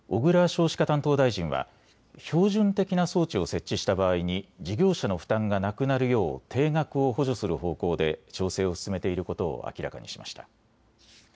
少子化担当大臣は標準的な装置を設置した場合に事業者の負担がなくなるよう定額を補助する方向で調整を進めていることを明らかにしました。